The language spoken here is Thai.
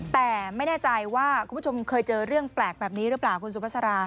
แต่ไม่แน่ใจว่าคุณผู้ชมเคยเจอเรื่องแปลกแบบนี้หรือเปล่าคุณสุภาษา